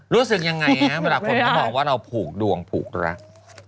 รู้สึกยังไงฮะเวลาคนเขามองว่าเราผูกดวงผูกรัก